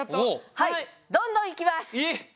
はいどんどんいきます！